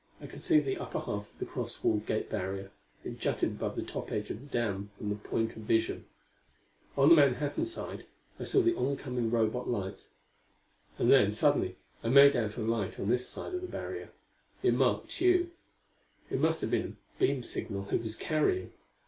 I could see the upper half of the cross wall gate barrier. It jutted above the top edge of the dam from the point of vision. On the Manhattan side I saw the oncoming Robot lights. And then suddenly I made out a light on this side of the barrier; it marked Tugh; it must have been a beam signal he was carrying.